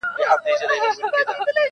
د یار دیدن آب حیات دی-